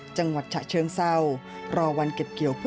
จังหวัดฉะเชิงเศร้ารอวันเก็บเกี่ยว